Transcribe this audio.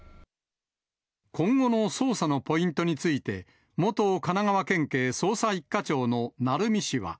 今後の捜査のポイントについて、元神奈川県警捜査１課長の鳴海氏は。